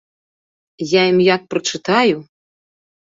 Я ім як прачытаю!